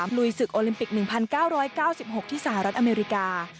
ลุยศึกโอลิมปิก๑๙๙๖ที่สหรัฐอเมริกา